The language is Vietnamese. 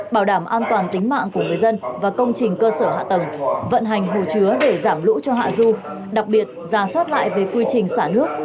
bảo đảm an toàn tính mạng của người dân và công trình cơ sở hạ tầng vận hành hồ chứa để giảm lũ cho hạ du đặc biệt giả soát lại về quy trình xả nước